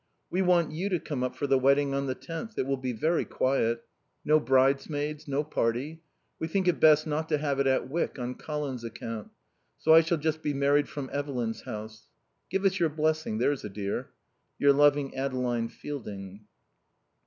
We want you to come up for the wedding on the 10th. It will be very quiet. No bridesmaids. No party. We think it best not to have it at Wyck, on Colin's account. So I shall just be married from Evelyn's house. Give us your blessing, there's a dear. Your loving Adeline Fielding.